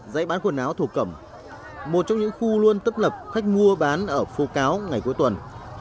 dãy bán quần áo thổ cẩm một trong những khu luôn tấp lập khách mua bán ở phố cáo ngày cuối tuần